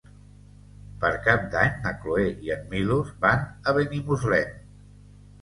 Per Cap d'Any na Cloè i en Milos van a Benimuslem.